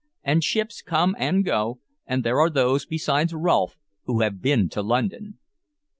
And ships come and go, and there are those besides Rolfe who have been to London."